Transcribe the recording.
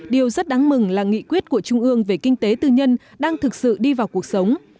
điều rất đáng mừng là nghị quyết của trung ương về kinh tế tư nhân đang thực sự đi vào cuộc sống